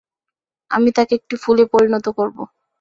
আমি তাকে একটা ফুলে পরিণত করবো।